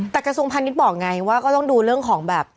แต่กระทรวงพาณิชย์บอกไงว่าก็ต้องดูเรื่องของแบบ